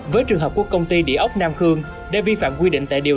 với trường hợp của công ty địa ốc nam khương đã vi phạm quy định tại điều năm mươi chín